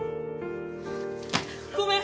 ごめん！